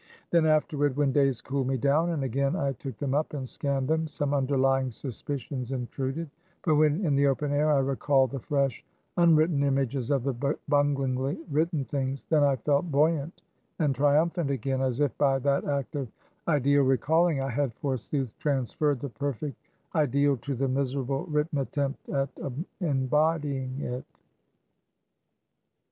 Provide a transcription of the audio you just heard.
Then, afterward, when days cooled me down, and again I took them up and scanned them, some underlying suspicions intruded; but when in the open air, I recalled the fresh, unwritten images of the bunglingly written things; then I felt buoyant and triumphant again; as if by that act of ideal recalling, I had, forsooth, transferred the perfect ideal to the miserable written attempt at embodying it.